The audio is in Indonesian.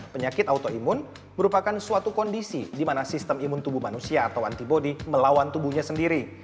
penyakit autoimun merupakan suatu kondisi di mana sistem imun tubuh manusia atau antibody melawan tubuhnya sendiri